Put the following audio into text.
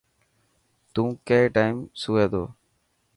تون ڪي ٽائم سوئي تو.